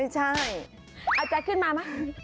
แจ็คขึ้นมามั้ย